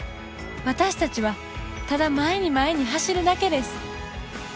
私たちはただ前に前に走るだけです。